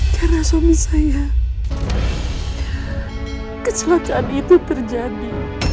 karena suami saya kecelakaan itu terjadi